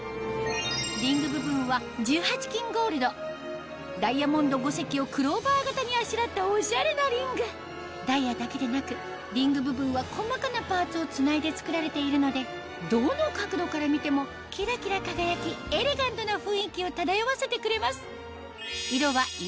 リング部分は１８Ｋゴールドダイヤモンド５石をクローバー形にあしらったおしゃれなリングダイヤだけでなくリング部分は細かなパーツをつないで作られているのでどの角度から見てもキラキラ輝きエレガントな雰囲気を漂わせてくれます